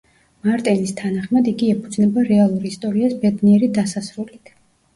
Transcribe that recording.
მარტინის თანახმად, იგი „ეფუძნება რეალურ ისტორიას ბედნიერი დასასრულით“.